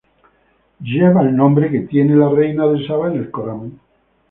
Lleva el nombre que tiene la reina de Saba en el Corán.